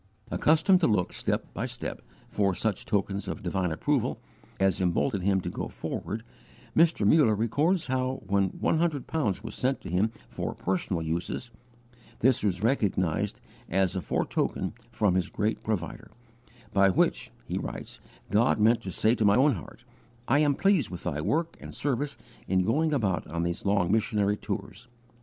Accustomed to look, step by step, for such tokens of divine approval, as emboldened him to go forward, Mr. Muller records how, when one hundred pounds was sent to him for personal uses, this was recognized as a foretoken from his great Provider, "by which," he writes, "God meant to say to my own heart, 'I am pleased with thy work and service in going about on these long missionary tours.